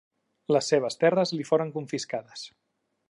Les seves terres li foren confiscades.